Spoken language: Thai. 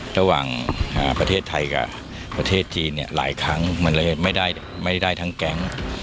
ระหว่างประเทศไทยกับประเทศจีนเนี่ยหลายครั้งมันเลยไม่ได้ทั้งแก๊ง